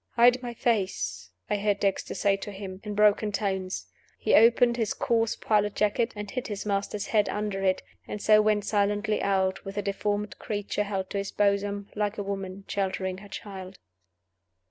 "Hide my face," I heard Dexter say to him, in broken tones. He opened his coarse pilot jacket, and hid his master's head under it, and so went silently out with the deformed creature held to his bosom, like a woman sheltering her child.